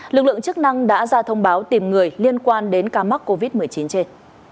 lực lượng chức năng đã ra thông báo tìm người liên quan đến ca mắc covid một mươi chín trên